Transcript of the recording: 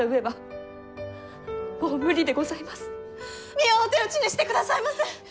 美代をお手討ちにしてくださいませ！